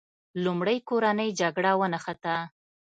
لومړی کورنۍ جګړه ونښته.